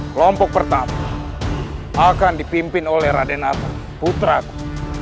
kelompok pertama akan dipimpin oleh radenat putraku